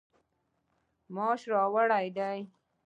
ماش واړه دي.